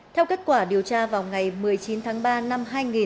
theo kết quả điều tra vào ngày một mươi chín tháng ba năm hai nghìn hai